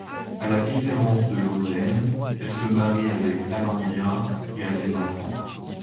À la différence de Lozen, elle se marie avec Ahnandia et a des enfants.